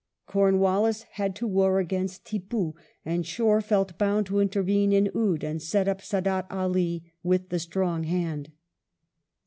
Comwallis had to war against Tippoo, and Shore felt bound to intervene in Oude and set up Saadat Ali with the strong hand.